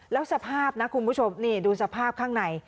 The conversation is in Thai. แล้วสภาพนะคุณผู้ชมนี่ดูสภาพข้างใน